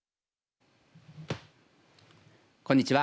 こんにちは。